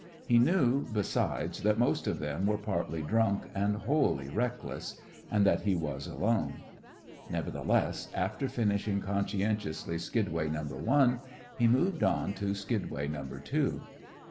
He knew, besides, that most of them were partly drunk and wholly reckless, and that he was alone. Nevertheless, after finishing conscientiously skidway number one, he moved on to skidway number two.